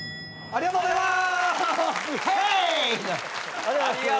ありがとうございます。